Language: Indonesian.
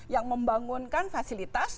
yang membangunkan fasilitas